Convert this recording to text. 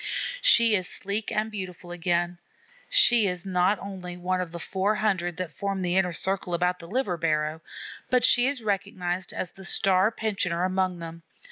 She is sleek and beautiful again. She is not only one of the four hundred that form the inner circle about the liver barrow, but she is recognized as the star pensioner among them.